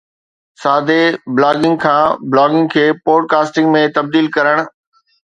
سادي بلاگنگ کان بلاگنگ کي پوڊ ڪاسٽنگ ۾ تبديل ڪرڻ